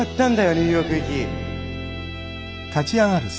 ニューヨーク行き。